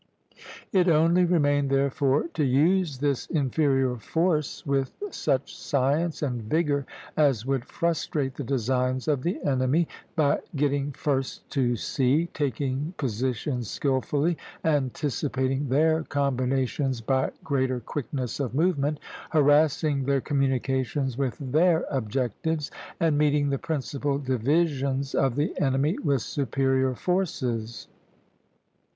It only remained, therefore, to use this inferior force with such science and vigor as would frustrate the designs of the enemy, by getting first to sea, taking positions skilfully, anticipating their combinations by greater quickness of movement, harassing their communications with their objectives, and meeting the principal divisions of the enemy with superior forces.